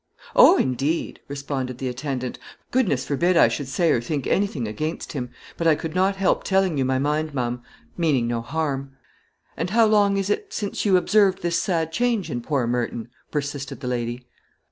"Oh, indeed," responded the attendant, "goodness forbid I should say or think anything against him; but I could not help telling you my mind, ma'am, meaning no harm." "And, how long is it since you observed this sad change in poor Merton?" persisted the lady.